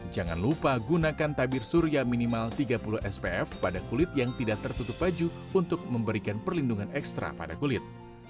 jangan lupa gunakan tabir surya minimal tiga puluh spf pada kulit yang tidak tertutup baju untuk memberikan perlindungan ekstra pada kulit